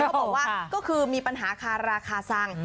บอกว่าก็คือมีปัญหาคาราคาซัง